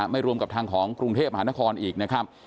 ไม่รวมกับทางของกรุงเทพฯหรือหานครอบครัวอีก